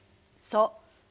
そう。